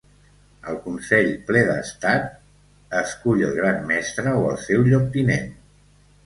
El consell ple d'estat escull el gran mestre o el seu lloctinent.